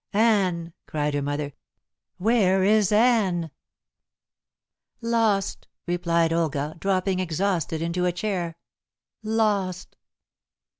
"Anne!" cried her mother. "Where is Anne?" "Lost!" replied Olga, dropping exhausted into a chair, "lost!"